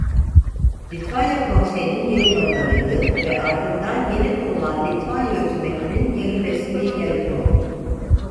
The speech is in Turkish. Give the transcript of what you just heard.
Litvanya Konseyi'nin yayın organıydı ve ardından yeni kurulan Litvanya hükûmetinin yarı resmi yayını oldu.